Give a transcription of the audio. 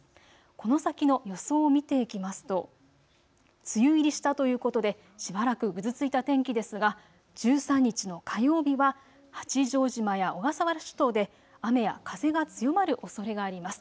この先の予想を見ていきますと梅雨入りしたということでしばらくぐずついた天気ですが１３日の火曜日は八丈島や小笠原諸島で雨や風が強まるおそれがあります。